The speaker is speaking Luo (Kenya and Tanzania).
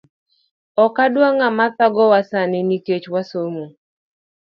Okwadwa ngama thagowa sani Nikech wasomo